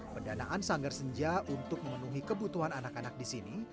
pendanaan sanggar senja untuk memenuhi kebutuhan anak anak disini